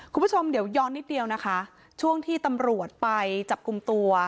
คุณผู้ชมเดี๋ยวย้อนนิดเดียวนะคะช่วงที่ตำรวจไปจับกลุ่มตัว